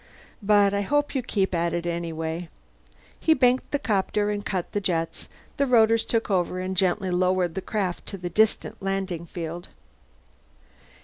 But I hope you keep at it, anyway." He banked the copter and cut the jets; the rotors took over and gently lowered the craft to the distant landing field.